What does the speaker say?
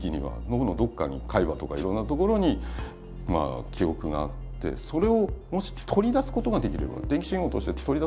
脳のどっかに海馬とかいろんな所に記憶があってそれをもし取り出すことができれば物質ですからねここね。